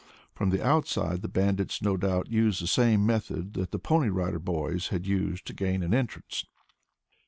From the outside the bandits no doubt used the same method that the Pony Rider Boys had used to gain an entrance.